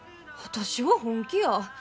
私は本気や。